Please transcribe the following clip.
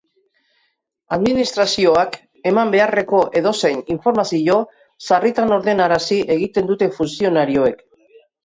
Administrazioak eman beharreko edozein informazio sarritan ordainarazi egiten dute funtzionarioek.